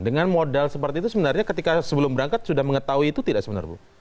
dengan modal seperti itu sebenarnya ketika sebelum berangkat sudah mengetahui itu tidak sebenarnya bu